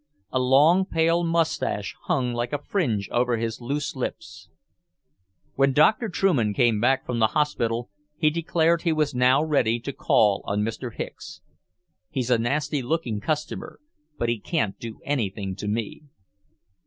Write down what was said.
A long, pale moustache hung like a fringe over his loose lips. When Dr. Trueman came back from the hospital, he declared he was now ready to call on Mr. Micks. "He's a nasty looking customer, but he can't do anything to me."